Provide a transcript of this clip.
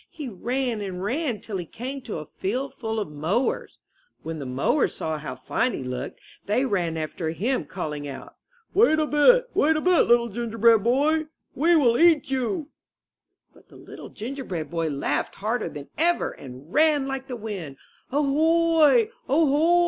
He ran and ran till he came to a field full of mowers. When the mowers saw how fine he looked, they ran after him calling out: *'Wait a bit! Wait a bit. Little Gingerbread Boy! We will eat you!" 126 IN THE NURSERY But the Little Gingerbread Boy laughed harder than ever and ran like the wind. *'0 ho!